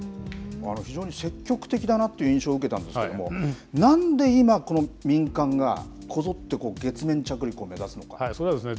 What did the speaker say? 非常に積極的だなという印象を受けたんですけれども、なんで今、この民間がこぞって月面着陸を目指すんですか。